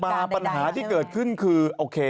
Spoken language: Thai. กลับมาปัญหาที่เกิดขึ้นคือโอเค